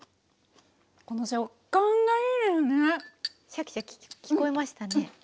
シャキシャキ聞こえましたね。